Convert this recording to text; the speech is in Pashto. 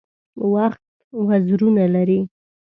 وخت وزرونه لري .